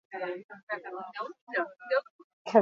Hala ere, hitz egiten jarraituko dute.